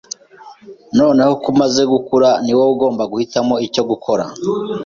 Noneho ko umaze gukura, ni wowe ugomba guhitamo icyo gukora.